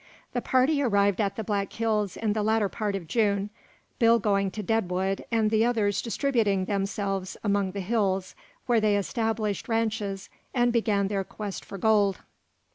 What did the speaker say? The party arrived at the Black Hills in the latter part of June, Bill going to Deadwood, and the others distributing themselves among the hills, where they established ranches and began their quest for gold.